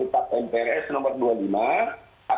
dan maksitab mprs nomor dua puluh lima